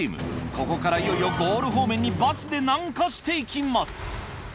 ここからいよいよゴール方面にバスで南下していきます。